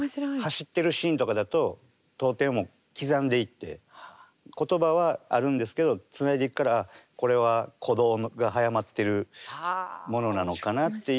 走ってるシーンとかだと読点を刻んでいって言葉はあるんですけどつないでいくからこれは鼓動が速まってるものなのかなっていうことができたりとか。